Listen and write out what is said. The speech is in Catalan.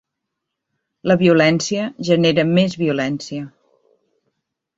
La violència genera més violència.